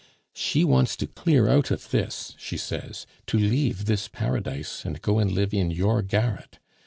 She wants to clear out of this, she says; to leave this paradise and go and live in your garret.